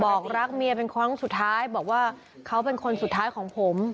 บอกรักเมียเป็นครั้งสุดท้ายบอกว่าเขาเป็นคนสุดท้ายของผม